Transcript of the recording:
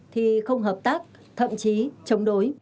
thì không hợp tác thậm chí chống đối